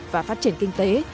và phát triển kinh tế